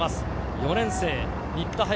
４年生・新田颯。